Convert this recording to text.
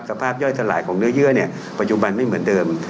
ย่อยสลายของเนื้อเยื่อเนี่ยปัจจุบันไม่เหมือนเดิม